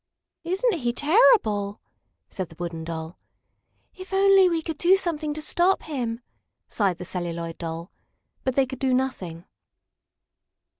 "Isn't he terrible!" said the Wooden Doll. "If we could only do something to stop him!" sighed the Celluloid Doll. But they could do nothing.